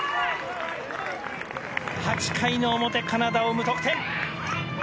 ８回の表、カナダを無得点。